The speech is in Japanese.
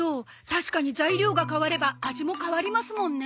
確かに材料が変われば味も変わりますもんね。